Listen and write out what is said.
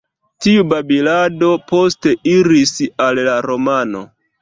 Tiu babilado poste iris al la romano.